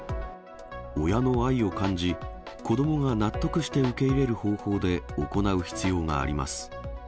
親の愛を感じ、子どもが納得して受け入れる方法で行う必要があります。